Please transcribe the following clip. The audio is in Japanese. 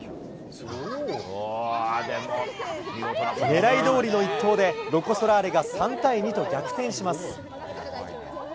ねらいどおりの一投で、ロコ・ソラーレが３対２と逆転します。